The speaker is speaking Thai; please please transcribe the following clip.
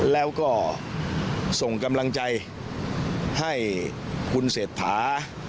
แล้วก็ส่งกำลังใจให้คุณเศรษฐา